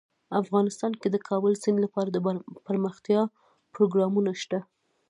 افغانستان کې د د کابل سیند لپاره دپرمختیا پروګرامونه شته.